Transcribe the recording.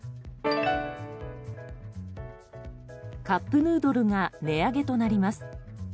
カップヌードルが値上げとなります。